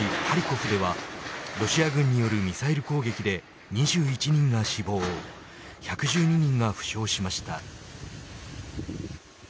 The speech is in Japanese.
ハリコフではロシア軍によるミサイル攻撃で２１人が死亡１１２人が負傷しました。